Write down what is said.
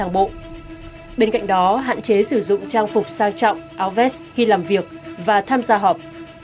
bên cạnh đó hạn chế sử dụng trang phục sao trọng áo vét khi làm việc và tham gia họp